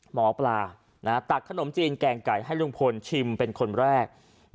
หมอปลาตักขนมจีนแกงไก่ให้ลุงพลชิมเป็นคนแรก